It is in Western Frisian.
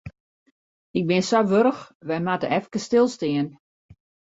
Ik bin sa warch, wy moatte efkes stilstean.